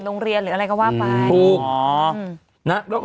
ต้องถามเจ้าซอสอยู่แล้ว